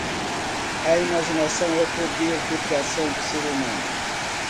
A imaginação é o poder de criação do ser humano